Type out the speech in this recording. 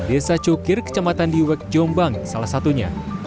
desa cukir kecamatan di wek jombang salah satunya